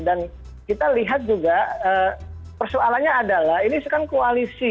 dan kita lihat juga persoalannya adalah ini seakan koalisi